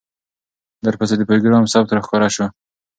درپسې د پروګرام ثبت راښکاره کوي،